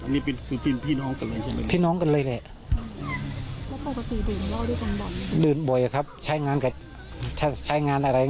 นี่คือพี่น้องกันเลยใช่ไหม